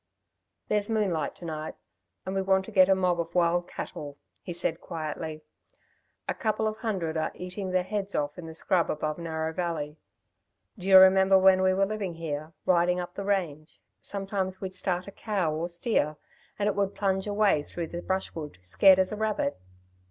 "There's moonlight to night, and we want to get a mob of wild cattle," he said quietly. "A couple of hundred are eating their heads off in the scrub above Narrow Valley. Do you remember when we were living here, riding up the range, sometimes we'd start a cow, or steer, and it would plunge away through the brushwood, scared as a rabbit!